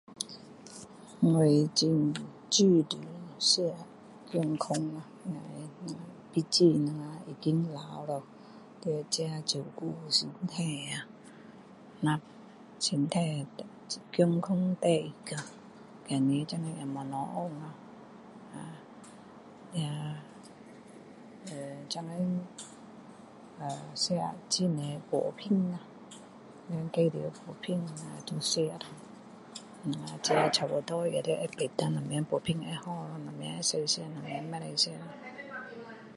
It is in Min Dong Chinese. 我很注意健康啊毕竟我已经老了需要自己照顾身体要不身体健康第一啊现今没有好指望啊那呃现今吃很多补品咯呃他们介绍补品需要吃咯我们自己差不多也要知道下什么补品会好什么可以吃什么不可以吃